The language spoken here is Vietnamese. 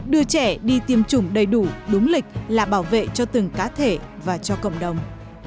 đưa trẻ đi tiêm chủng đầy đủ đúng lịch là bảo vệ cho từng cá thể và cho cộng đồng